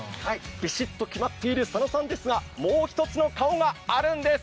ビシッと決まっている佐野さんですが、もう一つの顔があるんです。